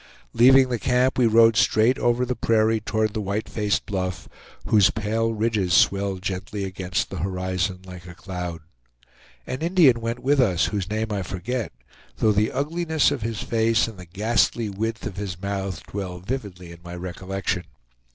Leaving the camp we rode straight over the prairie toward the white faced bluff, whose pale ridges swelled gently against the horizon, like a cloud. An Indian went with us, whose name I forget, though the ugliness of his face and the ghastly width of his mouth dwell vividly in my recollection.